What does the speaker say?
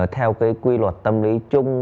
theo cái quy luật tâm lý chung